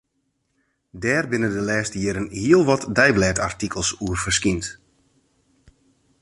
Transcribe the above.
Dêr binne de lêste jierren hiel wat deiblêdartikels oer ferskynd.